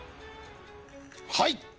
はい。